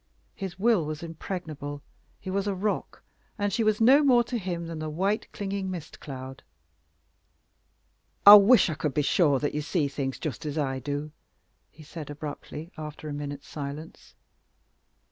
His will was impregnable. He was a rock, and she was no more to him than the white clinging mist cloud. "I wish I could be sure that you see things just as I do," he said abruptly, after a minute's silence.